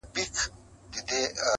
o اوس هم زما د وجود ټوله پرهرونه وايي.